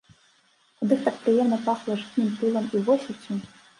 Ад іх так прыемна пахла жытнім пылам і восеццю.